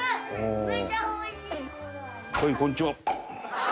はいこんにちは。